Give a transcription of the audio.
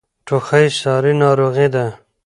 ټوخی ساری ناروغۍ ده.